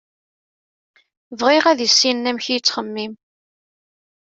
Bɣiɣ ad issinen amek i yettxemmim.